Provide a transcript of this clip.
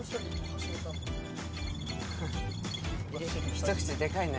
ひと口でかいね。